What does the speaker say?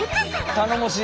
頼もしい。